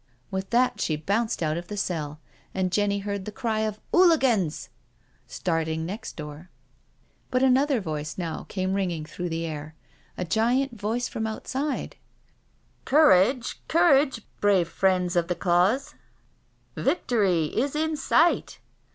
With that she bounced out of the cell, and Jenny heard the cry of *' 'Ooligansl" starting next door. But another voice now came ringing through the air— a giant voice from outside. '* Courage — courage, brave friends of the Cause I Victory is in sight.